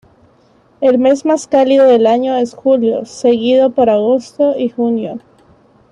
El mes más cálido del año es julio, seguido por agosto y junio.